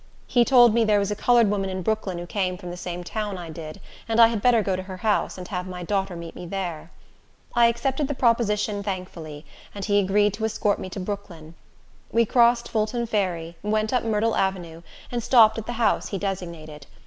He told me there was a colored woman in Brooklyn who came from the same town I did, and I had better go to her house, and have my daughter meet me there. I accepted the proposition thankfully, and he agreed to escort me to Brooklyn. We crossed Fulton ferry, went up Myrtle Avenue, and stopped at the house he designated.